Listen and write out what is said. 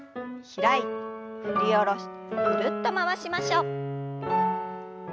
開いて振り下ろしてぐるっと回しましょう。